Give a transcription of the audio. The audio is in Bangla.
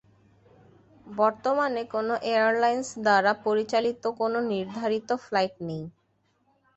বর্তমানে কোন এয়ারলাইন্স দ্বারা পরিচালিত কোন নির্ধারিত ফ্লাইট নেই।